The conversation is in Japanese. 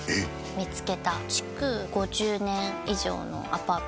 見つけた築５０年以上のアパート